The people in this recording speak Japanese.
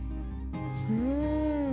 うん。